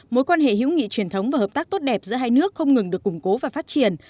mối quan hệ hữu nghị truyền thống và hợp tác tốt đẹp giữa hai nước không ngừng được củng cố và phát triển